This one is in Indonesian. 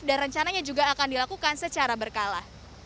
dan rencananya juga akan dilakukan secara berkala